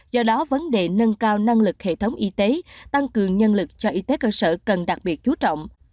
do đó vấn đề nâng cao năng lực hệ thống y tế tăng cường nhân lực cho y tế cơ sở cần đặc biệt chú trọng